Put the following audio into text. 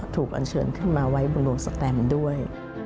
ถูกกัญเชิญขึ้นมาไว้บรวมสแกนด้วย